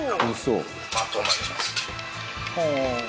宮川：まとまります。